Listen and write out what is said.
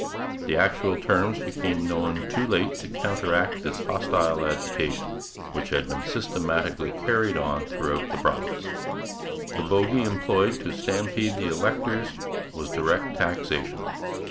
The actual terms became known too late to counteract this hostile agitation, which had been systematically carried on throughout the province. The bogey employed to stampede the electors was direct taxation.